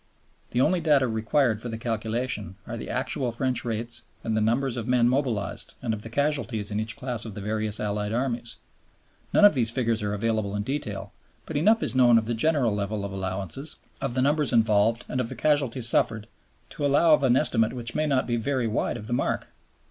The only data required for the calculation are the actual French rates and the numbers of men mobilized and of the casualties in each class of the various Allied Armies. None of these figures are available in detail, but enough is known of the general level of allowances, of the numbers involved, and of the casualties suffered to allow of an estimate which may not be very wide of the mark.